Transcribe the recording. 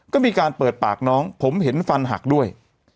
ก็มีการเปิดปากน้องผมเห็นฟันหักด้วย